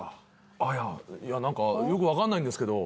ああいやいや何かよく分かんないんですけど